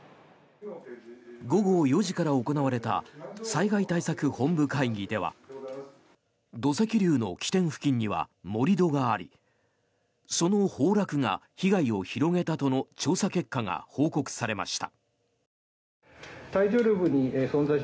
午後４時から行われた災害対策本部会議では土石流の起点付近には盛り土がありその崩落が被害を広げたとの調査結果が報告されました。